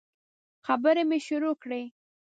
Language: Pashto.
خبري مي شروع کړې !